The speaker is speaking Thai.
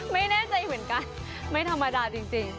ไม่แน่ใจเหมือนกันไม่ธรรมดาจริง